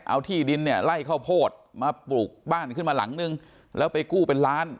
เอาที่ดินเนี่ยไล่ข้าวโพดมาปลูกบ้านขึ้นมาหลังนึงแล้วไปกู้เป็นล้าน